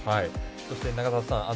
そして永里さん